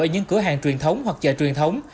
ở những cửa hàng truyền thống hoặc chợ truyền thống